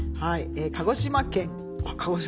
鹿児島県あっ鹿児島。